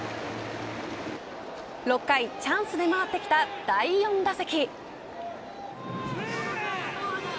６回、チャンスで回ってきた第４打席。